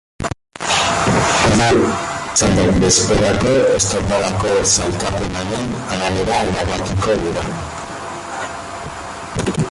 Hiru txandak bezperako estropadako sailkapenaren arabera erabakiko dira.